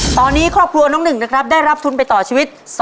ตอนนี้ครอบครัวน้องหนึ่งนะครับได้รับทุนไปต่อชีวิต